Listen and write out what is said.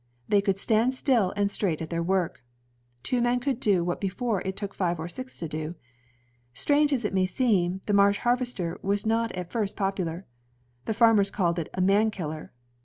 They could stand still and straight at their work. Two men could do what before it took five or six to do. Strange as it may seem, the Marsh harvester was not at first popular. The farmers called it a *^man killer.